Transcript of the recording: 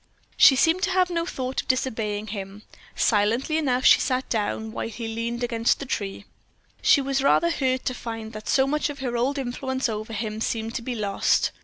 She seemed to have no thought of disobeying him. Silently enough she sat down, while he leaned against the tree. She was rather hurt to find that so much of her old influence over him seemed to be lost.